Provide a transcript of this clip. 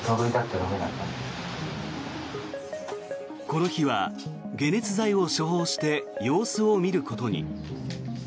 この日は解熱剤を処方して様子を見ることに。